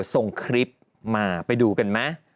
ส่งคลิปมาไปดูกันไหม